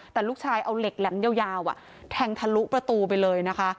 แต่ลูกชายเอาเหล็กแหลมยาวแทงทะลุประตูไปเลยนะคะ